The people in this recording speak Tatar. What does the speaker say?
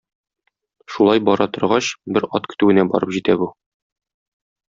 Шулай бара торгач, бер ат көтүенә барып җитә бу.